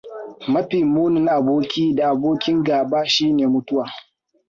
Mafi munin aboki da abokin gaba shine Mutuwa.